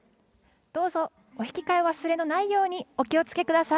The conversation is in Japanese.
どうぞお引き換え忘れがないようにお気をつけください。